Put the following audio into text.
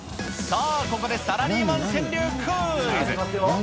さあ、ここでサラリーマン川柳クイズ。